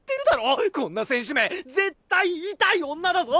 こんな選手名絶対イタい女だぞ！